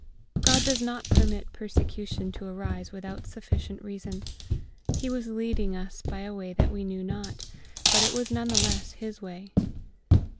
GOD does not permit persecution to arise without sufficient reason. ... He was leading us by a way that we knew not; but it was none the less His way.